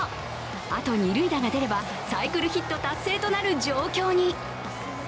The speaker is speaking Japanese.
あと二塁打で出ればサイクルヒット達成となる状況に。